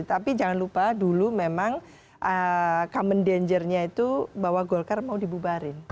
tapi jangan lupa dulu memang common danger nya itu bahwa golkar mau dibubarin